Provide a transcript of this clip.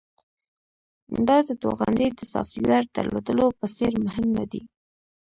دا د توغندي د سافټویر درلودلو په څیر مهم ندی